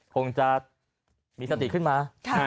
คงจะมีสติขึ้นมา